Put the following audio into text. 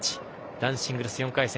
男子シングルス４回戦